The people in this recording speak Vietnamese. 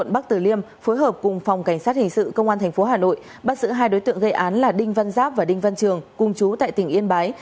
bắt giữ hai đối tượng gây án là đinh văn giáp và đinh văn trường cùng chú tại tỉnh yên bái